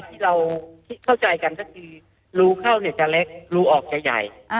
ที่เราเข้าใจกันก็คือรูเข้าเนี่ยจะเล็กรูออกจะใหญ่